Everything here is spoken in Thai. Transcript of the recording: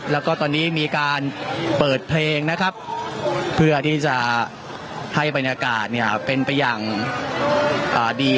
แล้วก็ตอนนี้มีการเปิดเพลงนะครับเพื่อที่จะให้บรรยากาศเนี่ยเป็นไปอย่างดี